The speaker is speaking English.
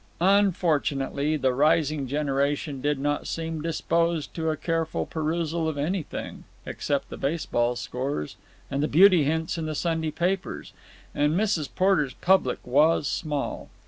Unfortunately, the rising generation did not seem disposed to a careful perusal of anything except the baseball scores and the beauty hints in the Sunday papers, and Mrs. Porter's public was small.